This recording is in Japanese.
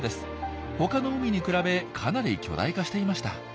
他の海に比べかなり巨大化していました。